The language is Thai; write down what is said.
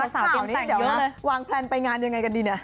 สาวนี้เดี๋ยวนะวางแพลนไปงานยังไงกันดีเนี่ย